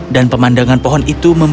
dan pemandangan pohon itu berubah